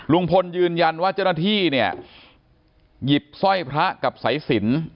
ลุงพลยืนยันว่าเจ้าหน้าที่เนี่ยหยิบสร้อยพระกับสายสิน